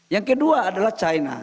yang kedua adalah china